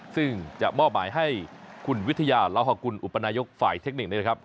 ซึ่งจะมอบหมายให้คุณวิทยาลาฮกุลอุปนายกฝ่ายเทคนิคนี้นะครับ